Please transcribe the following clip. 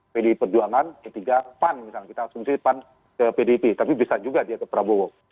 pdi perjuangan p tiga pan misalnya kita asumsi pan ke pdip tapi bisa juga dia ke prabowo